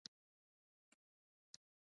د جګدلک یاقوت ډیر ارزښت لري